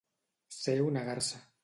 Ser una garsa.